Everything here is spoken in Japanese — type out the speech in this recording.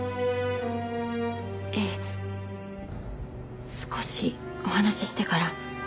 ええ少しお話ししてから。